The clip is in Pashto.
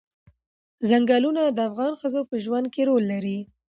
ځنګلونه د افغان ښځو په ژوند کې رول لري.